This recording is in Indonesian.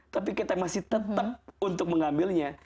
tapi kita masih tetap untuk mengambilnya